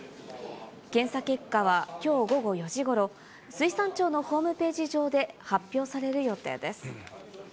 検査結果はきょう午後４時ごろ、水産庁のホームページ上で発表される予定です。